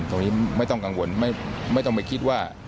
ไม่ต้องกังวลไม่ต้องไปคิดว่า